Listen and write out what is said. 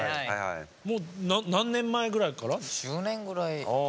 もう何年前ぐらいから？